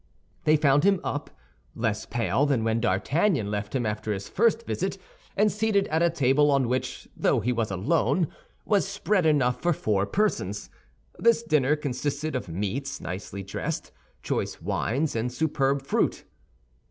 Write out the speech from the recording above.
They found him up, less pale than when D'Artagnan left him after his first visit, and seated at a table on which, though he was alone, was spread enough for four persons. This dinner consisted of meats nicely dressed, choice wines, and superb fruit.